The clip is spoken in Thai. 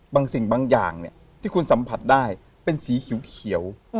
บางสิ่งบางอย่างที่คุณสัมผัสได้เป็นสีเขียว